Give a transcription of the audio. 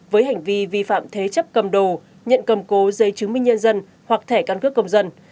với hành vi vi phạm thế chấp cầm đồ nhận cầm cố giấy chứng minh nhân dân hoặc thẻ căn cước công dân